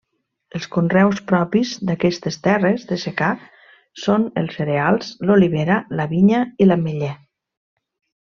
Els conreus propis d'aquestes terres de secà són els cereals, l'olivera, la vinya i l'ametller.